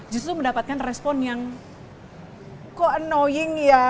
justru mendapatkan respon yang kok annoying ya